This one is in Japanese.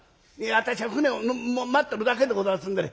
私は舟を待っとるだけでございますんでね